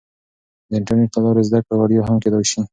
د انټرنیټ له لارې زده کړه وړیا هم کیدای سي.